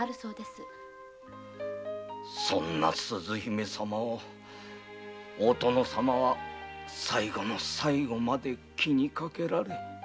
そんな鈴姫様を大殿様は最後まで気にかけられ。